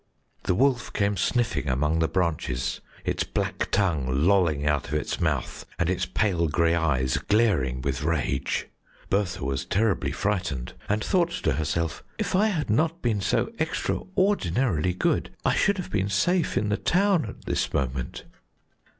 The wolf came sniffing among the branches, its black tongue lolling out of its mouth and its pale grey eyes glaring with rage. Bertha was terribly frightened, and thought to herself: 'If I had not been so extraordinarily good I should have been safe in the town at this moment.